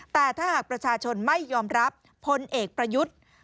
แต่ถ้าหากประชาชนไม่ยอมรับพลเอกประยุทธ์